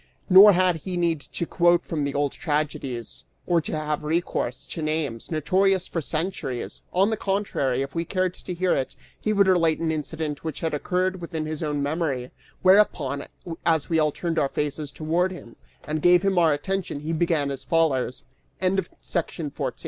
Nor had he need to quote from old tragedies, or to have recourse to names, notorious for centuries; on the contrary, if we cared to hear it, he would relate an incident which had occurred within his own memory, whereupon, as we all turned our faces towards him and gave him our attention, he began as follows: CHAPTER THE ONE HUNDRED AN